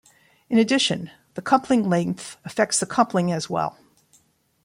In addition, the coupling length affects the coupling as well.